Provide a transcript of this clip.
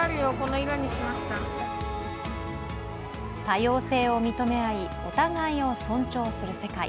多様性を認め合い、お互いを尊重する世界。